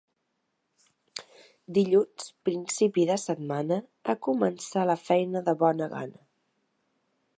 Dilluns, principi de setmana, a començar la feina de bona gana.